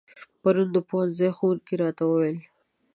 پرون د پوهنځي ښوونکي راته و ويل